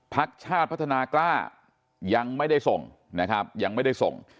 พักชาติพัฒนากล้ายังไม่ได้ส่งนะครับยังไม่ได้ส่ง